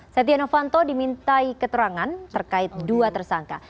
setia novanto dimintai keterangan terkait dua tersangka